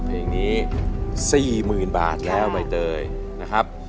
เพลงนี้๔๐๐๐บาทแล้วใบเตยนะครับ